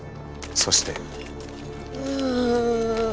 そして。